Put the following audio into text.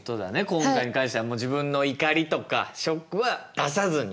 今回に関してはもう自分の怒りとかショックは出さずに。